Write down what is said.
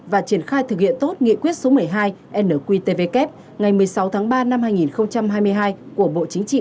và triển khai thực hiện tốt nghị quyết số một mươi hai nqtvk ngày một mươi sáu tháng ba năm hai nghìn hai mươi hai của bộ chính trị